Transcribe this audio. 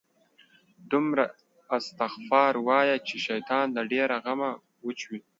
دومره استغفار وایه، چې شیطان له ډېره غمه وچوي